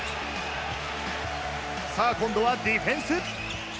さあ今度はディフェンス。